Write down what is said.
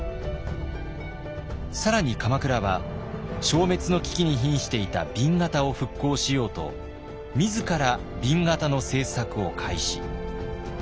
更に鎌倉は消滅の危機にひんしていた紅型を復興しようと自ら紅型の制作を開始。